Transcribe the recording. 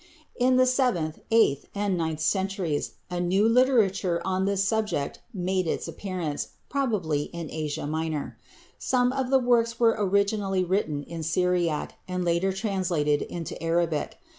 In the seventh, eighth, and ninth centuries, a new literature on this subject made its appearance, probably in Asia Minor. Some of the works were originally written in Syriac and later translated into Arabic.